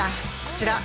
こちら。